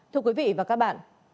thưa quý vị và các bạn